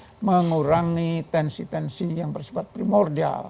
yang mengurangi tensi tensi yang bersebut primordial